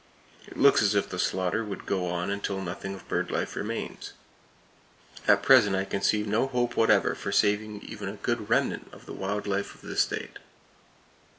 It looks as if the slaughter would go on until nothing of bird life remains. At present I can see no hope whatever for saving even a good remnant of the wild life of the state.